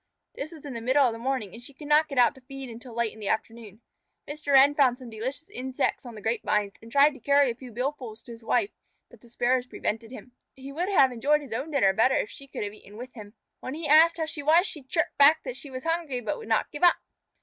This was in the middle of the morning and she could not get out to feed until late in the afternoon. Mr. Wren found some delicious insects on the grapevines, and tried to carry a few billfuls to his wife, but the Sparrows prevented him. He would have enjoyed his own dinner better if she could have eaten with him. When he asked how she was, she chirped back that she was hungry but would not give up.